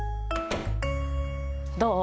どう？